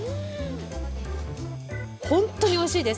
本当においしいです。